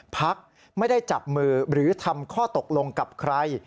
พักไม่ได้จับมือหรือทำข้อตกลงกับใคร